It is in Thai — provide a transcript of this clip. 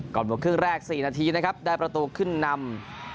หมดครึ่งแรก๔นาทีนะครับได้ประตูขึ้นนำ